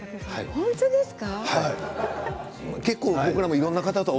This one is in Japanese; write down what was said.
本当ですか？